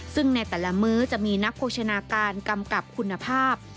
ซึ่งในแต่ละมื้อจะมีนักโภชนาการกำกับคุณภาพ